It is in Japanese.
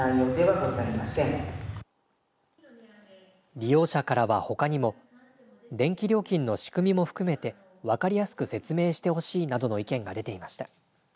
利用者からは、ほかにも電気料金の仕組みも含めて分かりやすく説明してほしいなどの意見が出ていました。